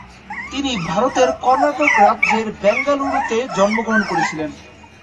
তিনি ভারতের কর্ণাটক রাজ্যের বেঙ্গালুরুতে জন্মগ্রহণ করেছিলেন।